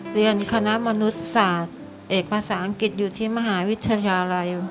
เรียนคณะมนุษยศาสตร์เอกภาษาอังกฤษอยู่ที่มหาวิทยาลัย